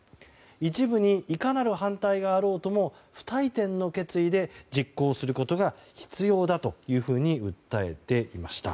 一部にいかなる反対があろうとも不退転の決意で実行することが必要だというふうに訴えていました。